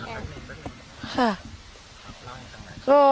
ต้องถามแฟนโทรมาเมื่อเช้านี้